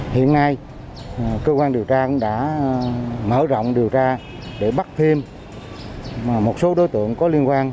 hiện nay cơ quan điều tra cũng đã mở rộng điều tra để bắt thêm một số đối tượng có liên quan